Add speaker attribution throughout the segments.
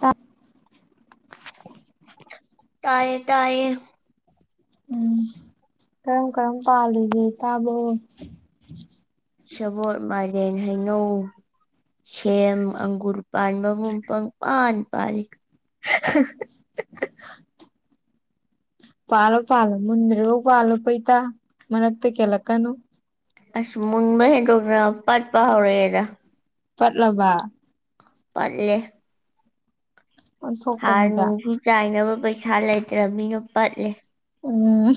Speaker 1: ꯇꯥ
Speaker 2: ꯇꯥꯏꯌꯦ ꯇꯥꯏꯌꯦ
Speaker 1: ꯎꯝ ꯀꯔꯝ ꯀꯔꯝ ꯄꯥꯜꯂꯤꯒꯦ ꯏꯇꯥꯕꯣ
Speaker 2: ꯁꯦꯕꯣꯠ ꯃꯥꯏꯔꯦꯟ ꯍꯩꯅꯧ ꯁꯦꯝ ꯑꯪꯒꯨꯔ ꯄꯥꯟꯕꯒꯨꯝ ꯄꯪ ꯄꯥꯟ ꯄꯥꯜꯂꯤ
Speaker 1: [unintelligible] ꯄꯥꯜꯣ ꯄꯥꯂꯣ ꯃꯨꯟꯗ꯭ꯔꯤꯕꯥꯎ ꯄꯥꯜꯣ ꯀꯣ ꯏꯇꯥ ꯃꯔꯛꯇ ꯀꯦꯂꯛ ꯀꯅꯨ
Speaker 2: ꯑꯁ ꯃꯨꯟꯕ ꯍꯦꯟꯗꯣꯛꯇꯅ ꯄꯠꯄ ꯍꯧꯔꯦꯗ
Speaker 1: ꯄꯠꯂꯕ
Speaker 2: ꯄꯠꯂꯦ ꯍꯥꯔ
Speaker 1: ꯑꯣꯟꯊꯣꯛꯄꯅꯤꯗ
Speaker 2: ꯅꯨꯡꯁꯨ ꯆꯥꯏꯅꯕ ꯄꯩꯁꯥ ꯂꯩꯇ꯭ꯔ ꯃꯤꯅ ꯄꯠꯂꯦ
Speaker 1: ꯎꯝ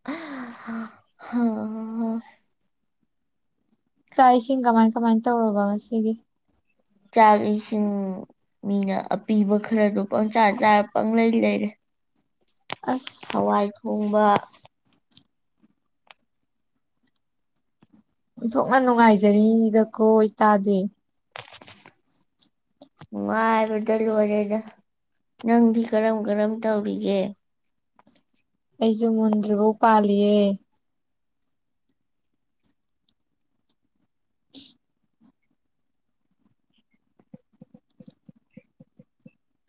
Speaker 2: [unintelligible] ꯍ
Speaker 1: ꯆꯥꯛ ꯏꯁꯤꯡ ꯀꯃꯥꯏ ꯀꯃꯥꯏꯅ ꯇꯧꯔꯕ ꯉꯁꯤꯗꯤ
Speaker 2: ꯆꯥꯛ ꯏꯁꯤꯡ ꯃꯤꯅ ꯑꯄꯤꯕ ꯈꯔꯗꯣ ꯄꯪꯆꯥꯥ ꯆꯥꯔ ꯄꯪ ꯂꯩ ꯂꯩꯔꯤ
Speaker 1: ꯑꯁ
Speaker 2: ꯍꯋꯥꯏ ꯊꯣꯡꯕ
Speaker 1: ꯑꯣꯟꯊꯣꯛꯅ ꯅꯨꯡꯉꯥꯏꯖꯔꯤꯗꯀꯣ ꯏꯇꯥꯗꯤ
Speaker 2: ꯅꯨꯡꯉꯥꯏꯕꯗ ꯂꯣꯏꯔꯦꯗ ꯅꯪꯗꯤ ꯀꯔꯝ ꯀꯔꯝ ꯇꯧꯔꯤꯒꯦ
Speaker 1: ꯑꯩꯁꯨ ꯃꯨꯟꯗ꯭ꯔꯤꯐꯥꯎ ꯄꯥꯜꯂꯤꯌꯦ [inaudible]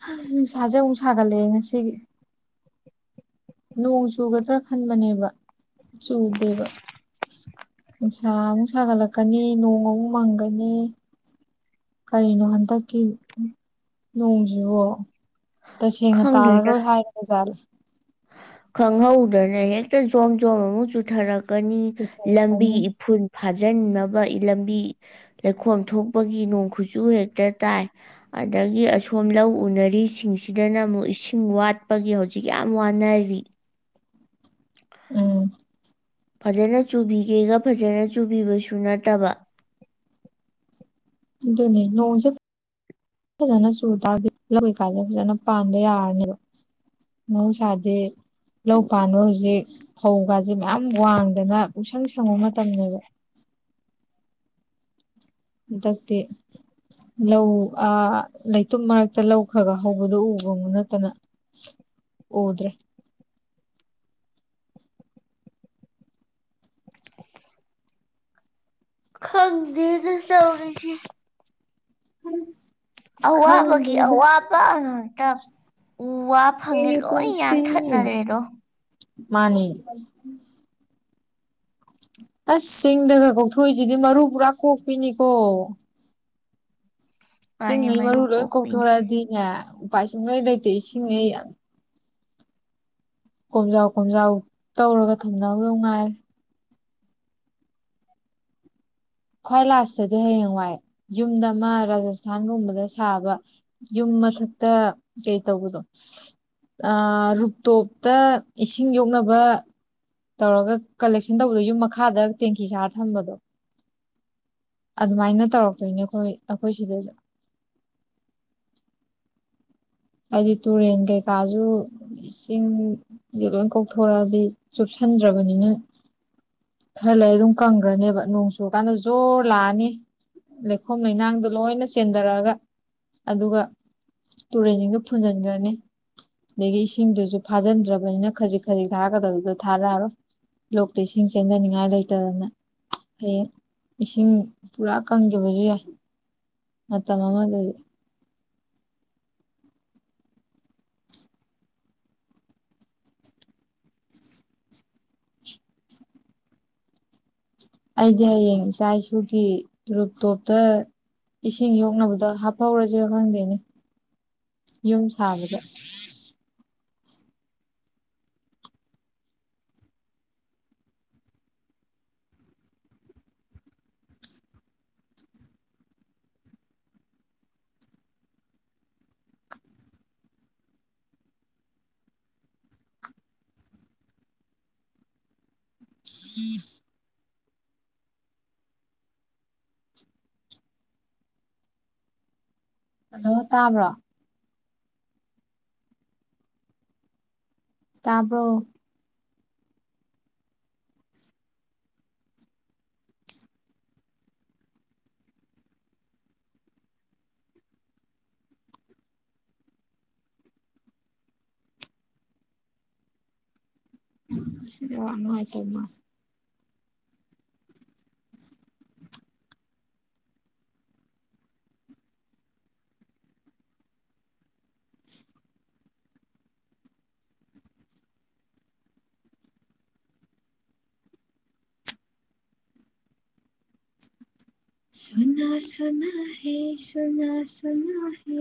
Speaker 1: ꯍ ꯅꯨꯡꯁꯥꯁꯦ ꯑꯃꯨꯛ ꯁꯥꯒꯠꯂꯛꯑꯦ ꯉꯁꯤꯒꯤ ꯅꯣꯡ ꯆꯨꯒꯗ꯭ꯔꯥ ꯈꯟꯕꯅꯦꯕ ꯆꯨꯗꯦꯕ ꯅꯨꯡꯁꯥ ꯑꯃꯨꯛ ꯁꯥꯒꯠꯂꯛꯀꯅꯤ ꯅꯣꯡ ꯑꯃꯨꯛ ꯃꯪꯒꯅꯤ ꯀꯔꯤꯅꯣ ꯍꯟꯗꯛꯀꯤ ꯅꯣꯡꯁꯤꯕꯣ ꯇꯁꯦꯡꯅ
Speaker 2: ꯈꯪꯗꯦꯗ
Speaker 1: ꯇꯥꯔꯔꯣꯏ ꯍꯥꯏꯔꯦ ꯖꯥꯠ
Speaker 2: ꯈꯪꯍꯧꯗꯅ ꯍꯦꯛꯇ ꯖꯣꯝ ꯖꯣꯝ ꯑꯃ ꯆꯨꯊꯔꯛ ꯀꯅꯤ ꯂꯝꯕꯤ
Speaker 1: ꯄꯤꯊꯔꯛꯀꯅꯤ
Speaker 2: ꯏꯐꯨꯜ ꯐꯥꯖꯤꯟꯅꯕ ꯂꯝꯕꯤ ꯂꯩꯈꯣꯝ ꯊꯣꯛꯄꯒꯤ ꯅꯣꯡ ꯈꯨꯆꯨ ꯍꯦꯛꯇ ꯇꯥꯏ ꯑꯗꯒꯤ ꯑꯁꯣꯝ ꯂꯧ ꯎꯅꯔꯤꯁꯤꯡꯁꯤꯗꯅ ꯑꯃꯨꯛ ꯏꯁꯤꯡ ꯋꯥꯠꯄꯒꯤ ꯍꯧꯖꯤꯛ ꯌꯥꯝ ꯋꯥꯅꯔꯤ
Speaker 1: ꯎꯝ
Speaker 2: ꯐꯖꯅ ꯆꯨꯕꯤꯒꯦꯒ ꯐꯖꯅ ꯆꯨꯕꯤꯕꯁꯨ ꯅꯠꯇꯕ
Speaker 1: ꯑꯗꯨ ꯑꯗꯨꯅꯦ ꯅꯣꯡꯁꯦ ꯐꯖꯅ ꯆꯨ ꯇꯔꯗꯤ ꯂꯧ ꯀꯩꯀꯥꯁꯦ ꯐꯖꯅ ꯄꯥꯟꯕ ꯌꯥꯔꯅꯦꯕ ꯃꯍꯧꯁꯥꯗꯤ ꯂꯧ ꯄꯥꯟꯕ ꯍꯧꯖꯤꯛ ꯐꯧꯒꯥꯁꯦ ꯃꯌꯥꯝ ꯋꯥꯡꯗꯅ ꯄꯨꯡꯁꯪ ꯁꯪꯕ ꯃꯇꯝꯅꯦꯕ ꯍꯟꯗꯛꯇꯤ ꯂꯧ ꯑ ꯂꯩꯇꯨꯝ ꯃꯔꯛꯇ ꯂꯧ ꯈ꯭ꯔ ꯈ ꯍꯧꯕꯗꯣ ꯎꯒ ꯅꯠꯇꯅ ꯎꯗ꯭ꯔꯦ
Speaker 2: ꯈꯪꯗꯦꯗ ꯇꯧꯔꯤꯁꯦ
Speaker 1: [inaudible]
Speaker 2: ꯑꯋꯥꯕꯒꯤ
Speaker 1: ꯈꯪꯗꯦꯗ
Speaker 2: ꯑꯋꯥꯕ ꯉꯥꯛꯇ ꯎ ꯋꯥ ꯐꯪꯉꯦ
Speaker 1: ꯑꯩꯒꯤ
Speaker 2: ꯂꯣꯏ
Speaker 1: ꯄꯨꯟꯁꯤꯅ
Speaker 2: ꯌꯥꯟꯊꯠꯅꯔ꯭ꯔꯦꯗꯣ
Speaker 1: ꯃꯥꯅꯤ ꯑꯁ ꯆꯤꯡꯗꯒ ꯀꯧꯊꯣꯏꯁꯤꯗꯤ ꯃꯔꯨ ꯄꯨꯔꯥ ꯀꯣꯛꯄꯤꯅꯤꯀꯣ
Speaker 2: ꯃꯥꯅꯦ
Speaker 1: ꯏꯁꯤꯡꯉꯩ ꯃꯔꯨ ꯂꯣꯏ
Speaker 2: ꯀꯣꯛꯄꯤꯅꯦ
Speaker 1: ꯀꯣꯛꯊꯣꯔꯛꯑꯗꯤꯅꯦ ꯎꯄꯥꯏ ꯁꯨꯡ ꯂꯣꯏ ꯂꯩꯇꯦ ꯏꯁꯤꯡꯉꯩ ꯌꯥꯝ ꯀꯣꯝꯖꯥꯎ ꯀꯣꯝꯖꯥꯎ ꯇꯧꯔꯒ ꯊꯝꯅꯕꯗꯅꯨꯡꯉꯥꯏꯔꯦ ꯈ꯭ꯋꯥꯏ ꯂꯥꯁꯇꯗꯤ ꯍꯌꯦꯡ ꯋꯥꯏ ꯌꯨꯝꯗ ꯑꯃ ꯔꯥꯖꯁꯊꯥꯟꯒꯨꯝꯕꯗ ꯁꯥꯕ ꯌꯨꯝ ꯃꯊꯛꯇ ꯀꯩ ꯇꯧꯕꯗꯣ ꯔꯨꯇꯣꯞꯇ ꯏꯁꯤꯡ ꯌꯣꯛꯅꯕ ꯇꯧꯔꯒ ꯀꯂꯦꯛꯁꯟ ꯇꯧꯕꯗꯣ ꯌꯨꯝ ꯃꯈꯥꯗ ꯇꯦꯡꯀꯤ ꯁꯥꯔ ꯊꯝꯕꯗꯣ ꯑꯗꯨꯃꯥꯏꯅ ꯇꯧꯔꯛꯇꯣꯏꯅꯦ ꯑꯩꯈꯣꯏ ꯑꯩꯈꯣꯏ ꯁꯤꯗꯁꯨ ꯑꯗꯤ ꯇꯣꯔꯦꯡꯇꯦ ꯀꯥꯖꯨ ꯏꯁꯤꯡꯁ ꯂꯣꯏ ꯀꯣꯛꯊꯣꯔꯛꯑꯗꯤ ꯆꯨꯞꯁꯟꯗ꯭ꯔꯕꯅꯤꯅ ꯈꯔ ꯂꯩꯔ ꯑꯗꯨꯝ ꯀꯪꯈ꯭ꯔꯅꯦꯕ ꯅꯣꯡ ꯆꯨꯔꯀꯥꯟꯗ ꯖꯣꯔ ꯂꯥꯛꯑꯅꯤ ꯂꯩꯈꯣꯝ ꯂꯩꯅꯥꯡꯗꯣ ꯂꯣꯏꯅ ꯆꯦꯟꯊꯔꯛꯑꯒ ꯑꯗꯨꯒ ꯇꯨꯔꯦꯟꯁꯤꯡꯗꯨ ꯄꯨꯨꯖꯅꯅꯦ ꯑꯗꯒꯤ ꯏꯁꯤꯡꯗꯨꯁꯨ ꯐꯥꯖꯤꯟꯗ꯭ꯔꯕꯅꯤꯅ ꯈꯖꯤꯛ ꯈꯖꯤꯛ ꯊꯥꯔꯛꯀꯗꯕꯗꯣ ꯊꯥꯔꯛꯑꯔꯣ ꯂꯣꯛꯇ ꯏꯁꯤꯡ ꯆꯦꯟꯊꯅꯤꯡꯉꯥꯏ ꯂꯩꯇꯗꯅ ꯍꯌꯦꯡ ꯏꯁꯤꯡ ꯄꯨꯔꯥ ꯀꯪꯈꯤꯕꯁꯨ ꯌꯥꯏ ꯃꯇꯝ ꯑꯃꯗꯗꯤ ꯑꯩꯗꯤ ꯍꯌꯦꯡ ꯏꯆꯥ ꯏꯁꯨꯒꯤ ꯔꯨꯞꯇꯣꯞꯇ ꯏꯁꯤꯡ ꯌꯣꯛꯅꯕꯗ ꯍꯥꯞꯐꯧꯔꯁꯔ ꯈꯪꯗꯦꯅꯦ ꯌꯨꯝ ꯁꯥꯕꯗ ꯑꯗꯣ ꯇꯥꯕ꯭ꯔꯣ ꯇꯄ꯭ꯔꯣ ꯅꯨꯡ ꯍꯥꯏꯥꯏ ꯇꯃ [inaudible] ꯁꯅꯁꯨꯅꯍꯦ ꯁꯅꯁꯨꯅꯍꯦ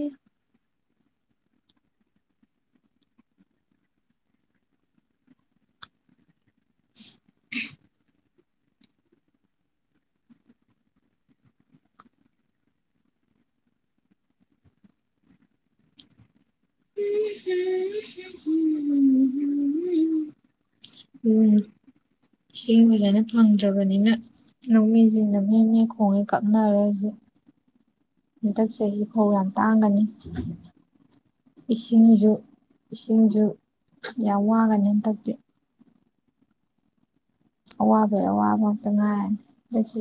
Speaker 1: [inaudible] [inaudible] ꯎꯝ ꯏꯁꯤꯡ ꯐꯖꯅ ꯐꯪꯗ꯭ꯔꯕꯅꯤꯅ ꯂꯧꯃꯤꯁꯤꯦ ꯅ ꯃꯅꯤ ꯈꯣꯡꯉꯦ ꯀꯞꯅꯔꯦ ꯍꯧꯖꯤꯛ ꯍꯟꯗꯛ ꯆꯍꯤ ꯐꯧ ꯌꯥꯝ ꯇꯥꯡꯒꯅꯤ ꯏꯁꯤꯡꯁꯨ ꯏꯁꯤꯡꯁꯨ ꯌꯥꯝ ꯋꯥꯒꯅꯤ ꯍꯟꯇꯛꯇꯤ ꯑꯋꯥꯕꯩ ꯑꯋꯥꯕ ꯑꯃꯇ ꯉꯥꯏ ꯑꯗꯒꯤ